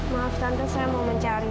maaf tante saya mau mencari